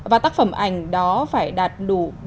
để làm ảnh đó phải đạt đủ